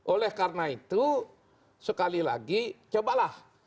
oleh karena itu sekali lagi cobalah